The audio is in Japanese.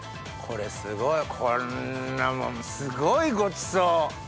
これすごい！こんなもんすごいごちそう！